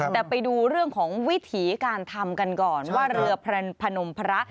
แต่ไปดูเรื่องของวิถีการทำกันก่อนว่าเรือพนมพระ